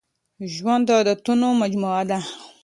ژوند د عادتونو مجموعه ده.